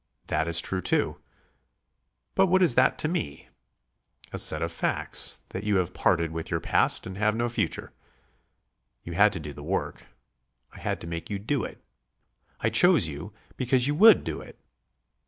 That is true too. But what is that to me? A set of facts that you have parted with your past and have no future. You had to do the work; I had to make you do it. I chose you because you would do it.